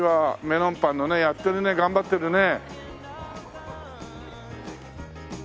メロンパンのねやってるね頑張ってるね。